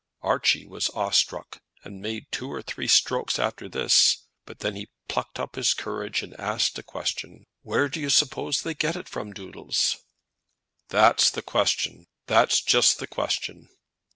Archie was awe struck, and made two or three strokes after this; but then he plucked up his courage and asked a question, "Where do you suppose they get it from, Doodles?" "That's just the question."